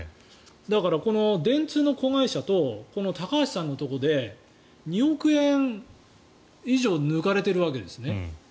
だから、この電通の子会社と高橋さんのところで２億円以上抜かれているわけですよね。